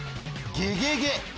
ゲゲゲ。